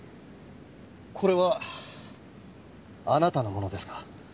これはあなたのものですか？